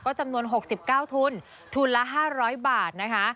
ก็จำนวนหกสิบเก้าทุนทุนละห้าร้อยบาทนะคะ